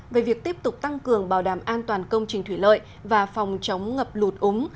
về việc tiếp tục tăng cường bảo đảm an toàn công trình thủy lợi và phòng chống ngập lụt úng